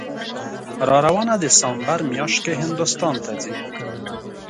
راروانه دسامبر میاشت کې هندوستان ته ځي